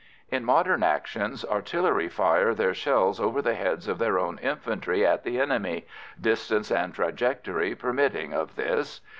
In modern actions, artillery fire their shells over the heads of their own infantry at the enemy, distance and trajectory permitting of this.